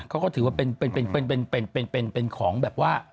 เขาก็ถือว่าเป็นของแบบว่า